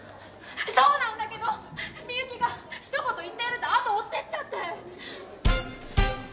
そうなんだけど深雪が「一言言ってやる」ってあと追ってっちゃって。